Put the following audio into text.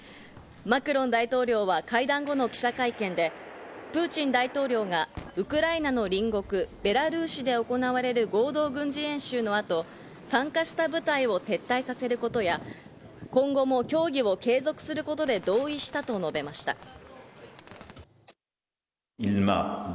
マクロン大統領は会談後の記者会見で、プーチン大統領がウクライナの隣国、ベラルーシで行われる合同軍事演習の後、参加した部隊を撤退させることや、今後も協議を継続することで同意したと述べました。